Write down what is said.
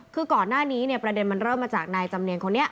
คือก่อนหน้านี้เนี่ยประเด็นมันเริ่มมาจากนายจำเนียนคนนี้